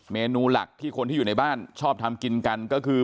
เมนูหลักที่คนที่อยู่ในบ้านชอบทำกินกันก็คือ